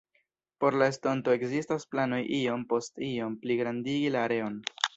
Por la estonto ekzistas planoj iom post iom pligrandigi la areon.